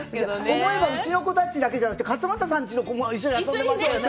思えばうちの子たちだけじゃなくて勝俣さんちの子も一緒に遊んでますよね